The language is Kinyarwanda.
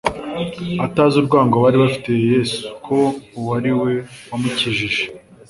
atazi urwango bari bafitiye Yesu, ko uwo ari we wamukijije.